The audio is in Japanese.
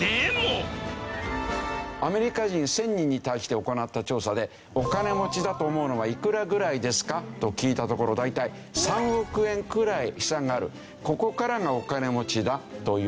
アメリカ人１０００人に対して行った調査でお金持ちだと思うのはいくらぐらいですか？と聞いたところ大体３億円くらい資産があるここからがお金持ちだというわけです。